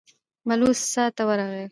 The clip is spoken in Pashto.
بلوڅ څا ته ورغی.